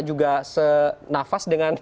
juga senafas dengan